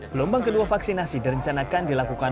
gelombang kedua vaksinasi direncanakan dilakukan